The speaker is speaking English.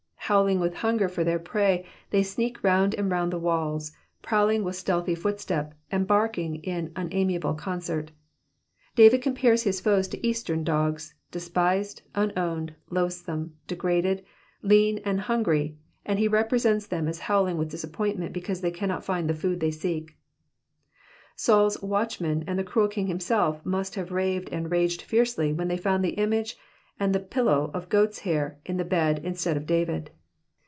'*'' Howling with hunger for their prey, they sneak round and round the walls, prowling with stealthy footstep, and barking in unamiable concert. David compares his foes to Eastern dogs, despised, unowned, loathsome, degraded, lean, and hungry, and he represents them as howling with disappointment, because they cannot find the food they seek. SauPs watchmen and the cruel king him self must have raved and raged iercely when they found the image and the pillow of goats' hair in the bed instead of David.